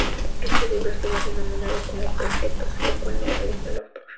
Este libro ha sido denominado como panfleto, lo cual no molesta al autor.